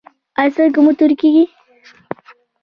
ایا سترګې مو تورې کیږي؟